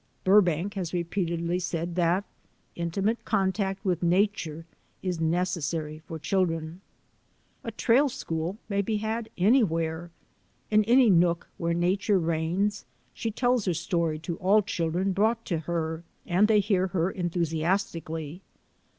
Burbank has repeatedly said that intimate contact with nature is necessary for children. A trail school may be had anywhere. In any nook where nature reigns she tells her story to all children brought to her and they hear her enthu siastically.